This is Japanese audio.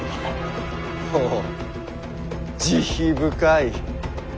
ほう慈悲深い。